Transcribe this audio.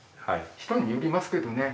人によりますけどね。